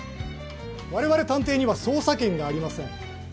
われわれ探偵には捜査権がありません。